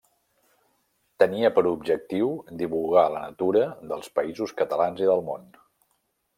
Tenia per objectiu divulgar la natura dels Països Catalans i del món.